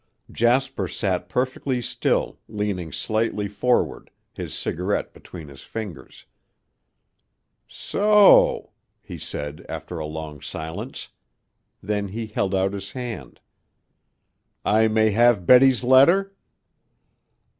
Jasper sat perfectly still, leaning slightly forward, his cigarette between his fingers. "So o!" he said after a long silence. Then he held out his hand. "I may have Betty's letter?"